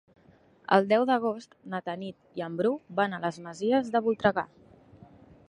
El deu d'agost na Tanit i en Bru van a les Masies de Voltregà.